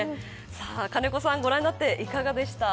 金子さんご覧になって、いかがでしたか。